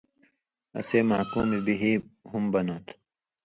اَسے محکوم بہِ ہُم بَناں تھو۔